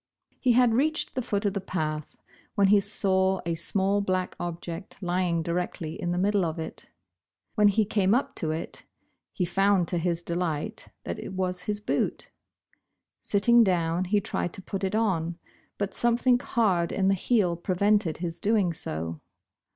Bosh Bosh Oil. 31 He had reached the foot of the path, when he saw a small black object, lying directly in the mid dle of it. When he came up to it, he found, to his delight, that it was his boot. Sitting down, he tried to put it on, but something hard in the heel prevented his doing so.